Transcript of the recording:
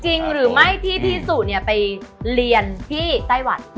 จริงหรือไม่ที่พี่สุไปเรียนที่ไต้หวัน